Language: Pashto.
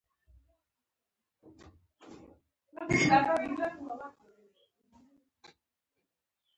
دځنګل حاصلات د افغانستان د اقلیمي نظام یوه لویه ښکارندوی ده.